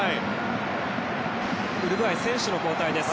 ウルグアイ選手交代です。